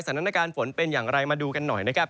ก็คือบริเวณอำเภอเมืองอุดรธานีนะครับ